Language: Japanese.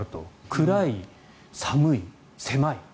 暗い、寒い、狭い。